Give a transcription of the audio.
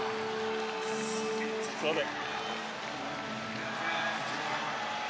すみません。